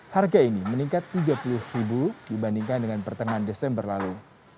harga ini meningkat rp tiga puluh dibandingkan dengan pertengahan desember lalu